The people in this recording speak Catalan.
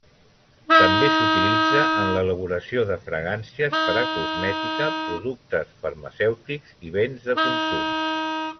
També s'utilitza en l'elaboració de fragàncies per a cosmètica, productes farmacèutics i béns de consum.